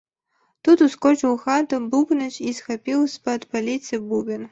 Тут ускочыў у хату бубнач і схапіў з-пад паліцы бубен.